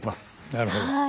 なるほど。